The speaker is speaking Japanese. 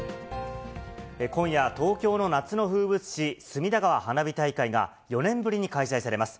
今夜、東京の夏の風物詩、隅田川花火大会が、４年ぶりに開催されます。